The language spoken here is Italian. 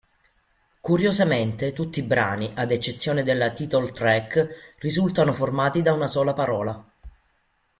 Curiosamente, tutti i brani, ad eccezione della title-track, risultano formati da una sola parola.